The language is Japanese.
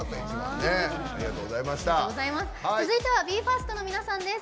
続いてはＢＥ：ＦＩＲＳＴの皆さんです。